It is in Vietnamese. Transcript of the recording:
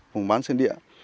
vùng bán sơn địa